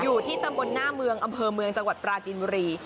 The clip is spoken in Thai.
อยู่ที่ตำบลหน้าเมืองอำเภอเมืองจังหวัดปราจินบุรี